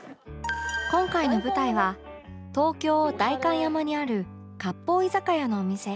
今回の舞台は東京代官山にある割烹居酒屋のお店